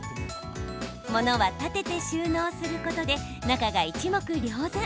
ものは立てて収納することで中が一目瞭然。